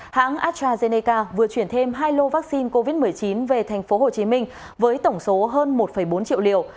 hãng astrazeneca vừa chuyển thêm hai lô vaccine covid một mươi chín về tp hcm với tổng số hơn một bốn triệu liều